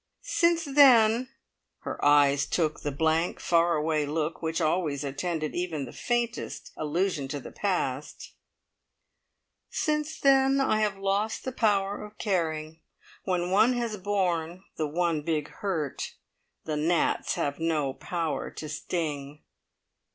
Since then" her eyes took the blank, far away look which always attended even the faintest allusion to the past "since then I have lost the power of caring. When one has borne the one big hurt, the gnats have no power to sting."